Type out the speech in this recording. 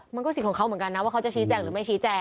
มันก็สิทธิ์ของเขาเหมือนกันนะว่าเขาจะชี้แจงหรือไม่ชี้แจง